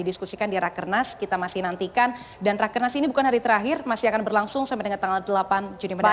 dan rakyat karnasi ini bukan hari terakhir masih akan berlangsung sampai tanggal delapan juni mendatang